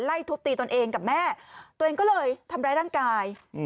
ทุบตีตนเองกับแม่ตัวเองก็เลยทำร้ายร่างกาย